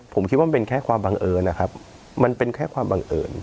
ผมคิดว่ามันเป็นแค่ความบังเอิญนะครับมันเป็นแค่ความบังเอิญ